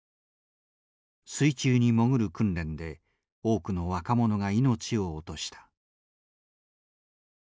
水中に潜る訓練で多くの若者が命を落とした。